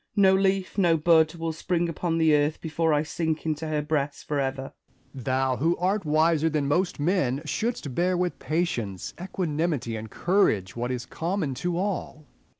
No leaf, no bud, will spring upon the earth before I sink into her breast for ever. Essex. Thou, who art wiser than most men, shouldst bear with patience, equanimity, and courage what is common to all.